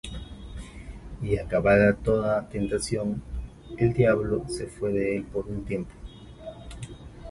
Y acabada toda tentación, el diablo se fué de él por un tiempo.